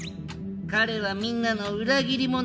彼はみんなの裏切り者？